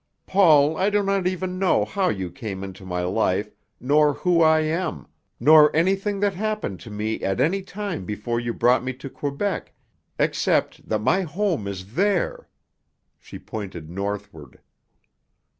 Paul, I do not even know how you came into my life, nor who I am, nor anything that happened to me at any time before you brought me to Quebec, except that my home is there." She pointed northward.